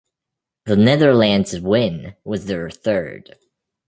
The Netherlands' win was their third.